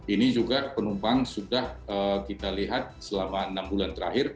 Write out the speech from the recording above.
ini juga penumpang sudah kita lihat selama enam bulan terakhir